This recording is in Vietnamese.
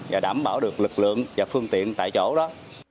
và đảm bảo được lực lượng và phương tiện tại chỗ đó